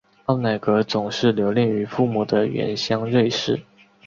奥乃格总是留恋于父母的原乡瑞士。